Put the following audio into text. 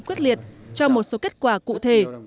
quyết liệt cho một số kết quả cụ thể